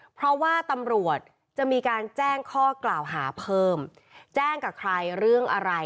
เพราะว่าตำรวจจะมีการแจ้งข้อกล่าวหาเพิ่มแจ้งกับใครเรื่องอะไร